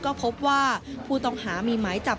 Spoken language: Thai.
ก็พบว่าผู้ต้องหามีหมายจับ